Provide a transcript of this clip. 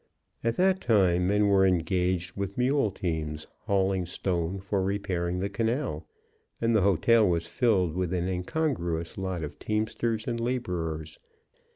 At that time, men were engaged with mule teams hauling stone for repairing the canal, and the hotel was filled with an incongruous lot of teamsters and laborers.